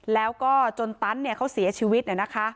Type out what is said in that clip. แล้วก็จนตันเขาเสียชีวิต